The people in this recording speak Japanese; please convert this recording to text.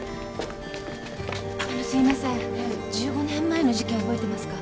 すいません１５年前の事件覚えてますか？